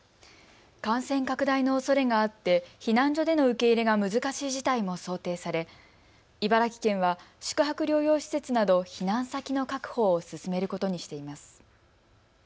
感染拡大のおそれがあって避難所での受け入れが難しい事態も想定され茨城県は宿泊療養施設など避難先の確保を進めることにしています。